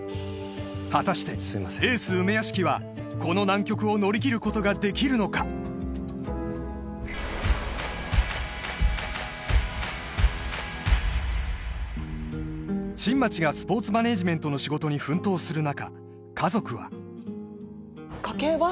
果たしてエース・梅屋敷はこの難局を乗り切ることができるのか新町がスポーツマネジメントの仕事に奮闘する中家族は家計は？